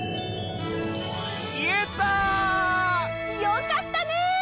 よかったね！